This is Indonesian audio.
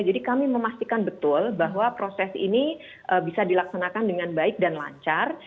jadi kami memastikan betul bahwa proses ini bisa dilaksanakan dengan baik dan lancar